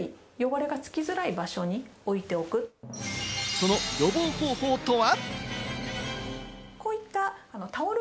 その予防方法とは？